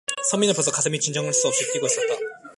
선비는 벌써 가슴이 진정할 수 없이 뛰었다.